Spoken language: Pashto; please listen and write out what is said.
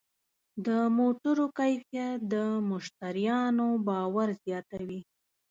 د موټرو کیفیت د مشتریانو باور زیاتوي.